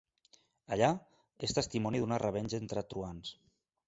Allà, és testimoni d'una revenja entre truans.